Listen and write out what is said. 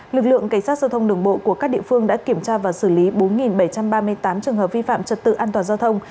lực lượng cảnh sát giao thông đường bộ của các địa phương đã kiểm tra và xử lý bốn bảy trăm ba mươi tám trường hợp vi phạm trật tự an toàn giao thông